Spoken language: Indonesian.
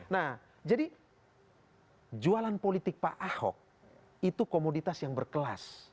nah jadi jualan politik pak ahok itu komoditas yang berkelas